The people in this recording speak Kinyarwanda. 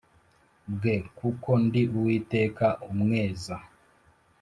bwe kuko ndi Uwiteka umweza